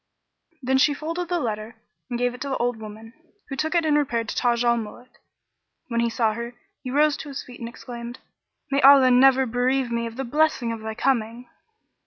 Then she folded the letter and gave it to the old woman, who took it and repaired to Taj al Muluk. And when he saw her, he rose to his feet and exclaimed, "May Allah never bereave me of the blessing of thy coming!"